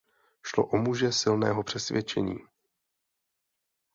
Šlo o muže silného přesvědčení.